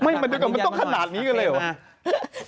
ไม่เหมือนต้องขนาดนี้เลยเหรอ